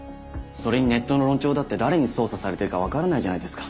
それにネットの論調だって誰に操作されてるか分からないじゃないですか。